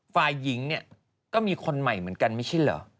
ฝ่ายหญิงเนี่ยก็มีคนใหม่เหมือนกันไม่ใช่เหรอ